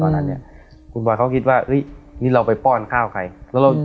ตอนนั้นเนี้ยคุณบอยเขาคิดว่าเฮ้ยนี่เราไปป้อนข้าวใครแล้วเรา